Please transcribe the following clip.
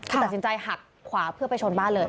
คือตัดสินใจหักขวาเพื่อไปชนบ้านเลย